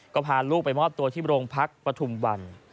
ก็พาลูกไปมอบตัวที่โรงพักปฐุมวัน